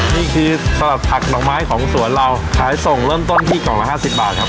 นี่คือสลัดผักดอกไม้ของสวนเราขายส่งเริ่มต้นที่กล่องละ๕๐บาทครับ